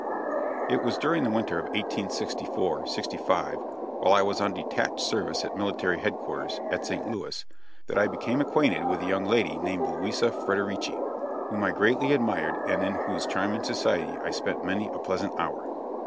It was during the winter of 1864 65, while I was on detached service at military headquarters, at St. Louis, that I became acquainted with a young lady named Louisa Frederici, whom I greatly admired and in whose charming society I spent many a pleasant hour.